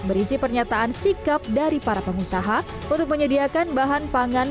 berisi pernyataan sikap dari para pengusaha untuk menyediakan bahan pangan